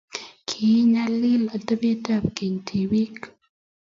Kiinyalili atebekab keny tibik